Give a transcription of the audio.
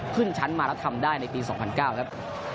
ขึ้นชั้นมาแล้วทำได้ในปี๒๐๐๙ครับ